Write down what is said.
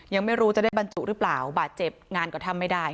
ยังไม่รู้จะได้บรรจุหรือเปล่าบาดเจ็บงานก็ทำไม่ได้